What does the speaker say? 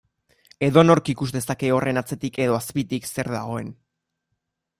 Edonork ikus dezake horren atzetik edo azpitik zer dagoen.